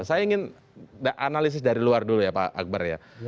saya ingin analisis dari luar dulu ya pak akbar ya